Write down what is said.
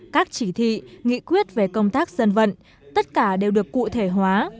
các chỉ thị nghị quyết về công tác dân vận tất cả đều được cụ thể hóa